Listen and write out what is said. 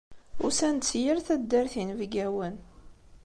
Usan-d si yal taddart yinebgawen.